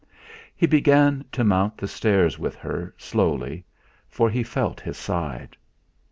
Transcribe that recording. He began to mount the stairs with her, slowly, for he felt his side.